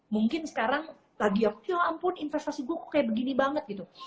mungkin sekarang lagi ya ampun investasi gua kok kayak begini banget gitu